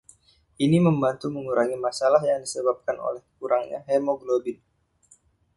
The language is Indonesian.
Ini membantu mengurangi masalah yang disebabkan oleh kurangnya hemoglobin.